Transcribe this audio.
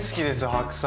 白菜。